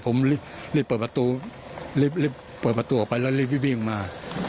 ผมรีบเปิดประตูออกไปแล้วรีบวิ่งมา